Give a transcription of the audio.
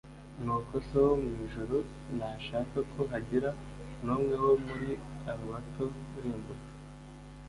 Nuko So wo mu ijuru ntashaka ko hagira n'umwe wo muri aba bato urimbuka."